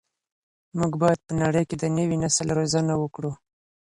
موږ باید په نړۍ کي د نوي نسل روزنه وکړو.